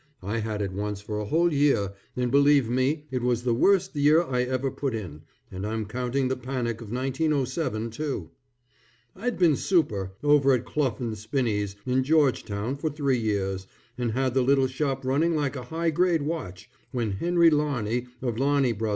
I had it once for a whole year, and believe me it was the worst year I ever put in, and I'm counting the panic of 1907 too. I'd been super. over at Clough & Spinney's in Georgetown for three years, and had the little shop running like a high grade watch, when Henry Larney of Larney Bros.